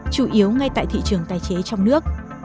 chủ yếu ngay tại thị trường tài chế trong nước